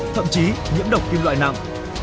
thậm chí nhiễm độc kim loại nặng